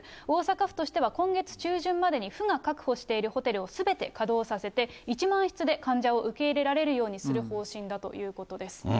大阪府としては、今月中旬までに、府が確保しているホテルをすべて稼働させて、１万室で患者を受け入れられるようにする方針だということです。